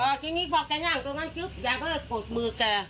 ทีนี้พอแกนั่งตรงนั้นปุ๊บยายก็เลยกดมือแก